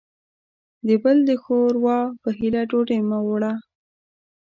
د بل د ښور وا په هيله ډوډۍ مه وړوه.